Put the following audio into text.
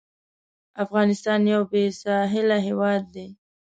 افغانستان یو بېساحله هېواد دی.